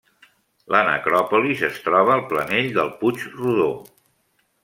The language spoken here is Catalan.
La necròpolis es troba al planell del Puig Rodó.